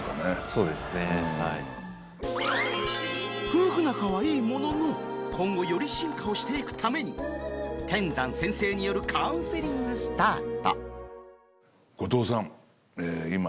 夫婦仲はいいものの今後より進化をしていくために天山先生によるカウンセリングスタート